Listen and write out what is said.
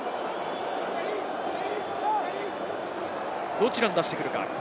どちらに出してくるか？